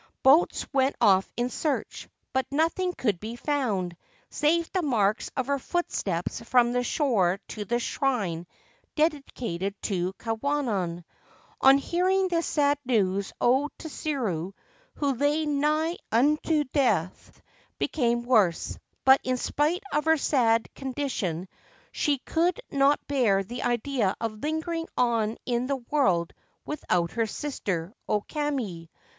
Boats went off in search ; but nothing could be found, save the marks of her footsteps from the shore to the shrine dedicated to Kwannon. On hearing this sad news, O Tsuru, who lay nigh unto death, became worse ; but in spite of her sad condition she could not bear the idea of lingering on in the world without her sister O Kame.